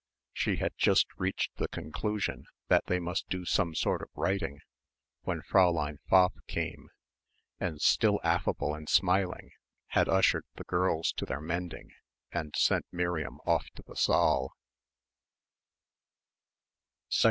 She had just reached the conclusion that they must do some sort of writing when Fräulein Pfaff came, and still affable and smiling had ushered the girls to their mending and sent Miriam off to the saal.